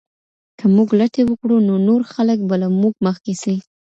که موږ لټي وکړو نو نور خلګ به له موږ مخکې سي.